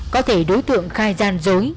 có thể đối tượng khai gian dối